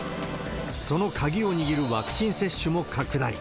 その鍵を握るワクチン接種も拡大。